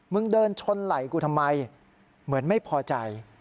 เดินชนไหล่กูทำไมเหมือนไม่พอใจ